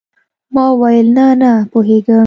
ما وويل نه نه پوهېږم.